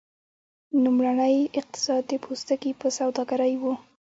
لومړنی اقتصاد د پوستکي په سوداګرۍ و.